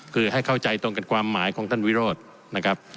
คือให้เข้าใจตรงกันความหมายของท่านวิโรธนะครับ